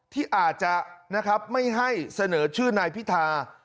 ที่อาจจะนะครับไม่ให้เสนอชื่อนายพิธา